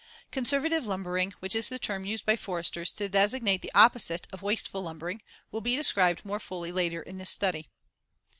Conservative lumbering, which is the term used by foresters to designate the opposite of wasteful lumbering, will be described more fully later in this study.